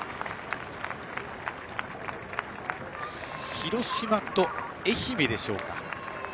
広島と愛媛でしょうか。